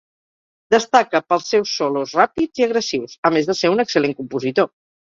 Destaca pels seus solos ràpids i agressius, a més de ser un excel·lent compositor.